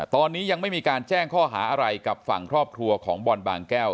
ตอนนี้ยังไม่มีการแจ้งข้อหาอะไรกับฝั่งครอบครัวของบอลบางแก้ว